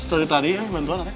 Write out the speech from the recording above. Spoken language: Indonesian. tadi tadi ya bantuan